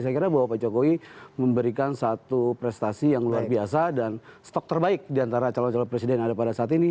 saya kira bahwa pak jokowi memberikan satu prestasi yang luar biasa dan stok terbaik diantara calon calon presiden yang ada pada saat ini